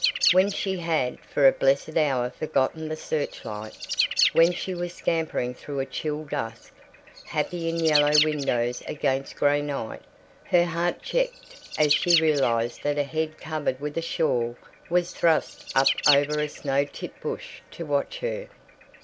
When she had for a blessed hour forgotten the searchlight, when she was scampering through a chill dusk, happy in yellow windows against gray night, her heart checked as she realized that a head covered with a shawl was thrust up over a snow tipped bush to watch her.